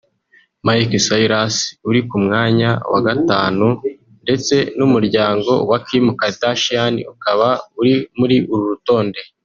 Miley Cyrus uri ku mwanya wa Gatanu ndetse n’umuryango wa Kim Kardashian ukaba uri muri uru rutonde